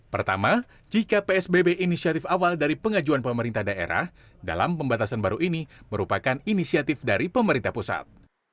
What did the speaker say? pertama jika psbb inisiatif awal dari pengajuan pemerintah daerah dalam pembatasan baru ini merupakan inisiatif dari pemerintah pusat